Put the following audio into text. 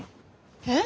えっ？